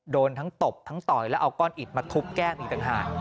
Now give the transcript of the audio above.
โดนทั้งตบทั้งต่อยแล้วเอาก้อนอิดมาทุบแก้มอีกต่างหาก